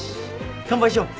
乾杯しよう。